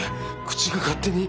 口が勝手に。